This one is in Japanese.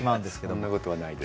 そんなことはないです。